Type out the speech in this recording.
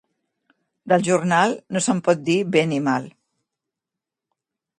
Del jornal no se'n pot dir bé ni mal.